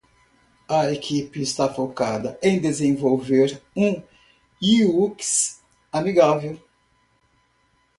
A equipe está focada em desenvolver um UX amigável.